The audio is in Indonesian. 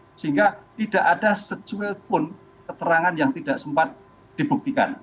sehingga tidak ada secuil pun keterangan yang tidak sempat dibuktikan